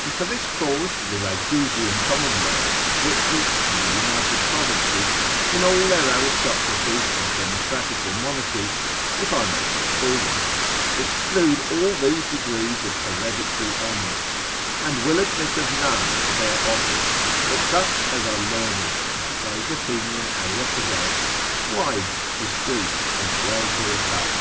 And for this cause, the Ragusian commonwealth, Switzers, and the united provinces, in all their aristocracies, or democratical monarchies, (if I may so call them,) exclude all these degrees of hereditary honours, and will admit of none to bear office, but such as are learned, like those Athenian Areopagites, wise, discreet, and well brought up.